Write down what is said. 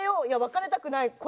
「いや別れたくない」